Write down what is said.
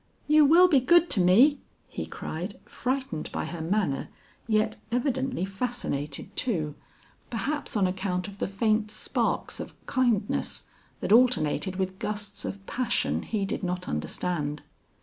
"You will be good to me," he cried, frightened by her manner yet evidently fascinated too, perhaps on account of the faint sparks of kindness that alternated with gusts of passion he did not understand.